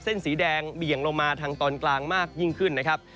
สีแดงเบี่ยงลงมาทางตอนกลางมากยิ่งขึ้นนะครับ